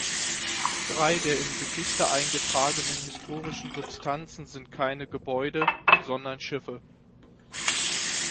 Drei der im Register eingetragenen historischen Substanzen sind keine Gebäude, sondern Schiffe.